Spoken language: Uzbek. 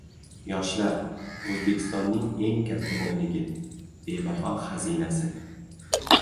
Yoshlar – O‘zbekistonning eng katta boyligi, bebaho xazinasi